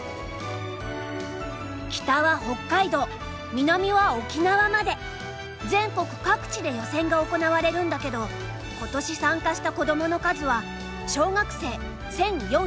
北は北海道南は沖縄まで全国各地で予選が行われるんだけど今年参加したこどもの数は。